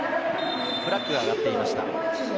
フラッグ上がっていました。